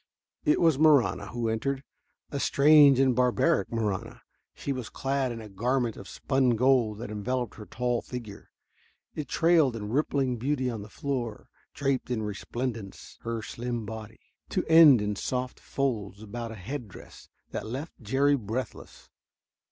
It was Marahna who entered, a strange and barbaric Marahna. She was clad in a garment of spun gold that enveloped her tall figure. It trailed in rippling beauty on the floor draped in resplendence her slim body, to end in soft folds about a head dress that left Jerry breathless.